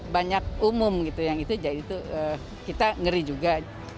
banyak umum gitu yang itu jadi itu kita ngeri juga